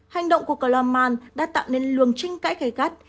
hành động của carl mann đã tạo nên luồng tranh cãi gây gắt